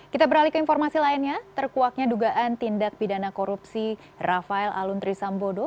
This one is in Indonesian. kita beralih ke informasi lainnya terkuaknya dugaan tindak pidana korupsi rafael aluntri sambodo